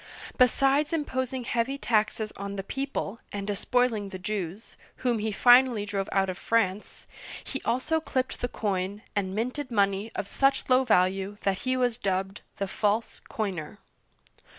Besides imposing heavy taxes on the people, and despoiling the Jews, — whom he finally drove out of France, — he also clipped the coin, and minted money of such low value that he was dubbed "the False Coiner."